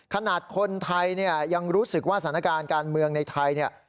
ขนาดคนไทยเนี่ยยังรู้สึกว่าสถานการณ์การเมืองในไทยเนี่ย